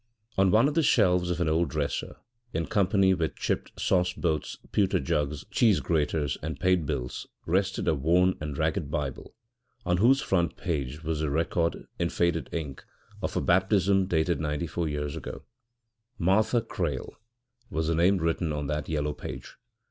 On one of the shelves of an old dresser, in company with chipped sauce boats, pewter jugs, cheese graters, and paid bills, rested a worn and ragged Bible, on whose front page was the record, in faded ink, of a baptism dated ninety four years ago. "Martha Crale" was the name written on that yellow page.